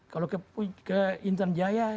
kalau ke intern jaya